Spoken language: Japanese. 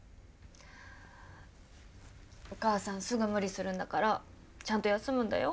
お母さんすぐ無理するんだからちゃんと休むんだよ。